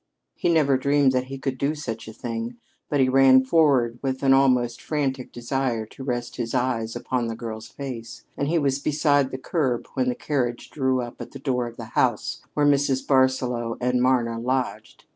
He had never dreamed that he could do such a thing, but he ran forward with an almost frantic desire to rest his eyes upon the girl's face, and he was beside the curb when the carriage drew up at the door of the house where Mrs. Barsaloux and Marna lodged.